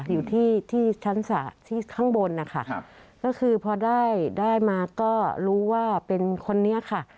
อยู่ที่ชั้นศาสตร์ที่ข้างบนนะค่ะแล้วคือพอได้มาก็รู้ว่าเป็นคนนี้ค่ะ